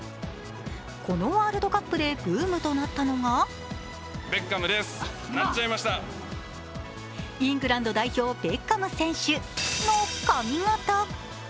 このワールドカップでブームとなったのがイングランド代表、ベッカム選手の髪型。